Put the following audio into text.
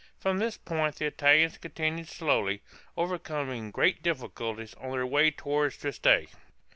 From this point the Italians continued slowly, overcoming great difficulties, on their way toward Trieste.